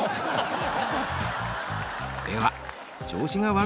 では］